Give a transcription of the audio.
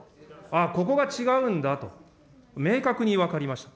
ああ、ここが違うんだと、明確に分かりました。